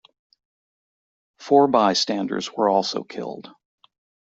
Four bystanders were also killed.